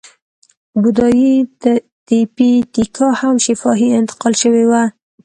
بودایي تیپي تیکا هم شفاهي انتقال شوې وه.